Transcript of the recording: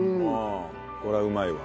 これはうまいわ。